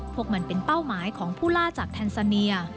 พวกมันเป็นเป้าหมายของผู้ล่าจากแทนซาเนีย